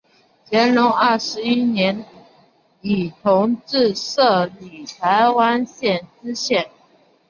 乾隆二十一年以同知摄理台湾县知县。